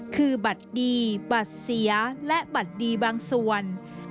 คือบัตรดีบัตรเสียและบัตรดีบางส่วน